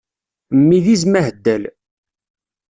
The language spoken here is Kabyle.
Mmi d izem aheddal.